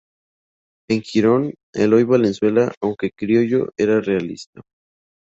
En Girón, Eloy Valenzuela, aunque criollo, era realista.